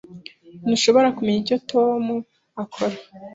Ntushobora kumenya icyo Tom akora?